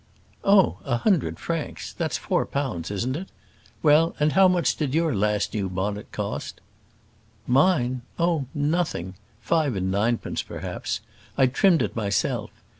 "Oh! a hundred francs; that's four pounds, isn't it? Well, and how much did your last new bonnet cost?" "Mine! oh, nothing five and ninepence, perhaps; I trimmed it myself.